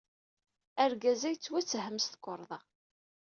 Argaz-a yettwatthem s tukerḍa.